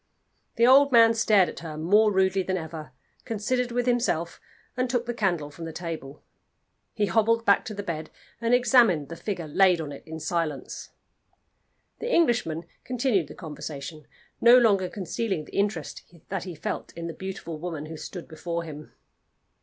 The old man stared at her more rudely than ever, considered with himself, and took the candle from the table. He hobbled back to the bed and examined the figure laid on it in silence. The Englishman continued the conversation, no longer concealing the interest that he felt in the beautiful woman who stood before him.